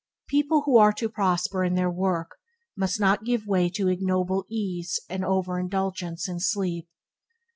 People who are to prosper in their work must not give way to ignoble ease and over indulgence in sleep.